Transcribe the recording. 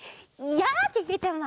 やあけけちゃま！